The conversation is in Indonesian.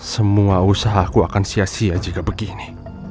semua usaha aku akan sia sia jika begini